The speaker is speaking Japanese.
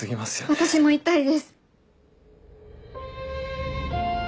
私もいたいです。